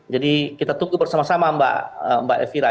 jadi kita tunggu bersama sama mbak evira